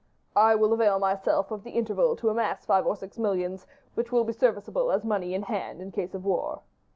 "I will avail myself of the interval to amass five or six millions, which will be serviceable as money in hand in case of war."